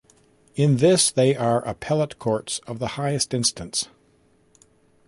In this they are appellate courts of the highest instance.